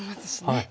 はい。